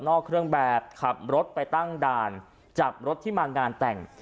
ออกเครื่องแบบขับรถไปตั้งด่านจับรถที่มางานแต่ง